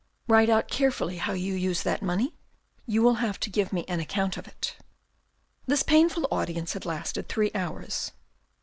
" Write out carefully how you use that money. You will have to give me an account of it." This painful audience had lasted three hours.